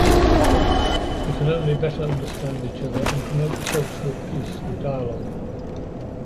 We can only better understand each other and promote a culture of peace through dialogue.